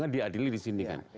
diadili di sini kan